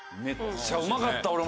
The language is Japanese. めっちゃうまかった。